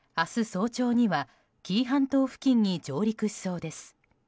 早朝には紀伊半島付近に上陸しそうです。